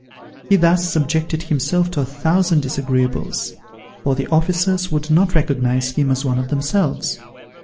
He thus subjected himself to a thousand disagreeables, for the officers would not recognize him as one of themselves.